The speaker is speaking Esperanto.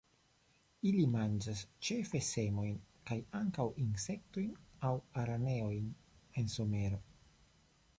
Ili manĝas ĉefe semojn, kaj ankaŭ insektojn aŭ araneojn en somero.